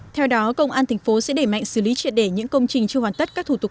theo đó công an thành phố sẽ đẩy mạnh xử lý triệt để những công trình chưa hoàn tất các thủ tục